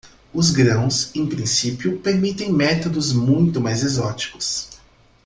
Os grãos, em princípio, permitem métodos muito mais exóticos.